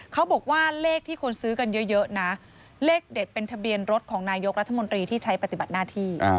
เขาบอกว่าเลขที่คนซื้อกันเยอะนะเลขเด็ดเป็นทะเบียนรถของนายกรัฐมนตรีที่ใช้ปฏิบัติหน้าที่